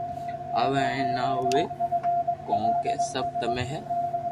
آوي ھي ھين نھ آوئي ڪونڪھ سب تمي ھي